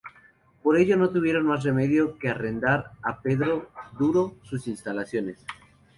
Por ello no tuvieron más remedio que arrendar a Pedro Duro sus instalaciones.